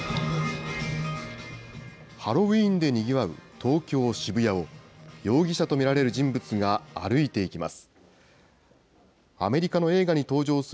ハロウィーンでにぎわう東京・渋谷を、容疑者と見られる人物が歩いていきます。